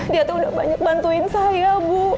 dia tuh udah bantuin saya bu